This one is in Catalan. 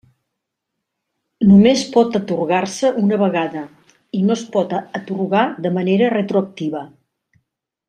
Només pot atorgar-se una vegada, i no es pot atorgar de manera retroactiva.